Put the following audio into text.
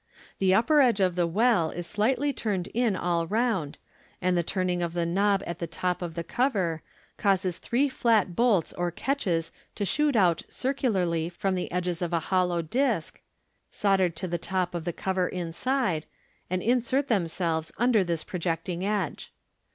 The upper edge of the well is slightly turned in all round; and the turning of the knob at the top of the cover causes three flat bolts or catches to shoot out circularly from the edges of a hollow disc, soldered to the top of the cover inside, and insert themselves under this pro jecting edge.